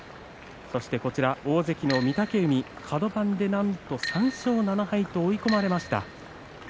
そして、大関の御嶽海カド番でなんと３勝７敗と追い込まれました。